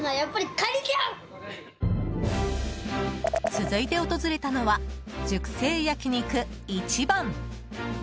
続いて、訪れたのは熟成焼肉いちばん。